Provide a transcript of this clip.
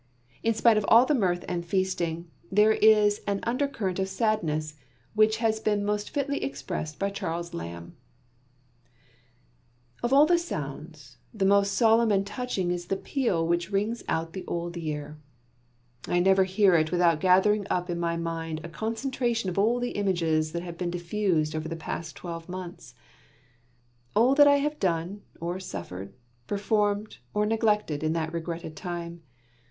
In spite of all the mirth and feasting, there is an undercurrent of sadness which has been most fitly expressed by Charles Lamb: "Of all the sounds, the most solemn and touching is the peal which rings out the old year. I never hear it without gathering up in my mind a concentration of all the images that have been diffused over the past twelve months; all that I have done or suffered, performed, or neglected, in that regretted time.